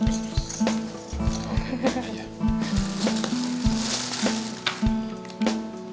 yaudah aku mau makannya